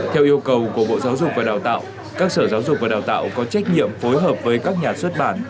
theo yêu cầu của bộ giáo dục và đào tạo các sở giáo dục và đào tạo có trách nhiệm phối hợp với các nhà xuất bản